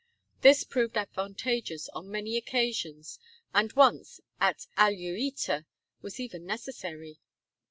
This proved advantageous on many occasions, and once, at Auli eta, was even necessary.